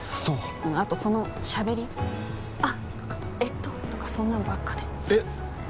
そうあとそのしゃべり「あっ」とか「えっと」とかそんなのばっかでえっ？